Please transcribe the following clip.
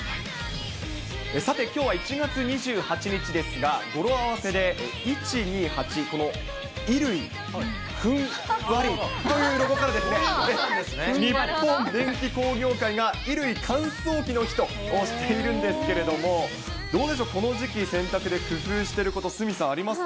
さてきょうは１月２８日ですが、語呂合わせで、１、２、８、衣類ふんわりという語呂から、日本電機工業会が、衣類乾燥機の日としているんですけれども、どうでしょう、この時期、洗濯で工夫していること、鷲見さんありますか。